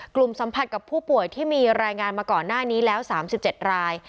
สัมผัสกับผู้ป่วยที่มีรายงานมาก่อนหน้านี้แล้ว๓๗ราย